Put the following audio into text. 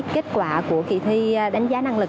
kết quả của kỳ thi đánh giá năng lực